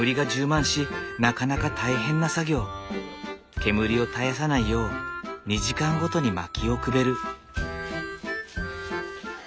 煙を絶やさないよう２時間ごとに薪をくべる。